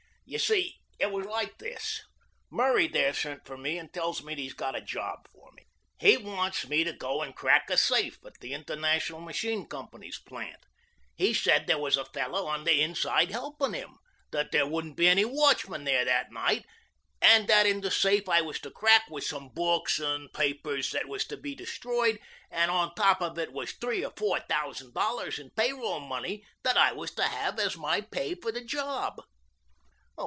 "You see, it was like this: Murray there sent for me and tells me that he's got a job for me. He wants me to go and crack a safe at the International Machine Company's plant. He said there was a fellow on the inside helping him, that there wouldn't be any watchman there that night and that in the safe I was to crack was some books and papers that was to be destroyed, and on top of it was three or four thousand dollars in pay roll money that I was to have as my pay for the job.